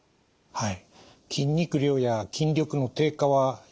はい。